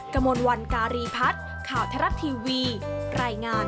กระมวลวันการีพัฒน์ข่าวทรัฐทีวีรายงาน